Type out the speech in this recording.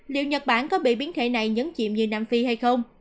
liệu nhật bản có bị biến thể này nhấn chìm như nam phi hay không